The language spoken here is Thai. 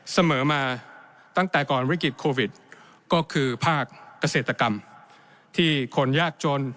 เสมอมาตั้งแต่ก่อนวิกฤตโควิดก็คือภาคเกษตรกรรมที่คนยากจน